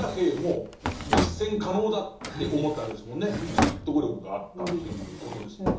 説得力があったっていうことですもんね。